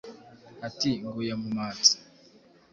Ati Nguye mu Matsa